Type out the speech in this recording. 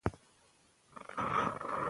دا یو په زړه پورې فلم دی.